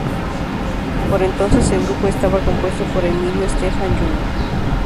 Por entonces el grupo estaba compuesto por "Emilio Estefan Jr.